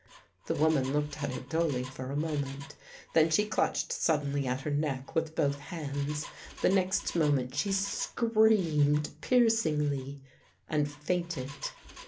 The woman looked at it dully for a moment. Then she clutched suddenly at her neck with both hands. The next moment she screamed piercingly, and fainted.